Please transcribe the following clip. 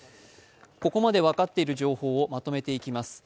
ここまで分かっている情報をまとめていきます。